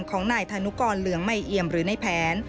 ของนายธนุกรเหลืองใหม่เอียมหรือในแผน